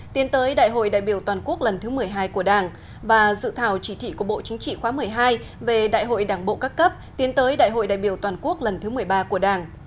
tiến tới đại hội đại biểu toàn quốc lần thứ một mươi hai của đảng và dự thảo chỉ thị của bộ chính trị khóa một mươi hai về đại hội đảng bộ các cấp tiến tới đại hội đại biểu toàn quốc lần thứ một mươi ba của đảng